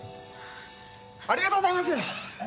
ありがとうございます！